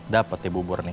dapet ya bubur nih